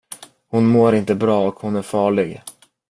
Hon mår inte bra och hon är farlig.